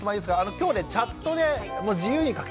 今日ねチャットで自由に書き込めるんで。